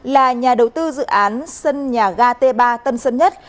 là nhà đầu tư dự án sân nhà ga t ba tân sơn nhất